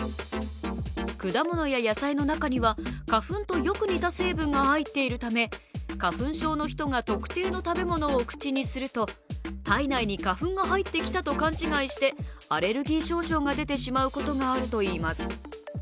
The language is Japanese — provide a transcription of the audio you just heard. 果物や野菜の中には花粉とよく似た成分が入っているため花粉症の人が特定の食べ物を口にすると体内に花粉が入ってきたと勘違いして、アレルギー症状が出てしまうことがあるといいます。